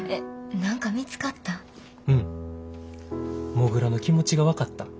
モグラの気持ちが分かった。